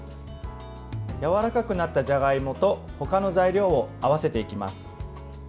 やわらかくなったじゃがいもと他の材料を合わせていきます。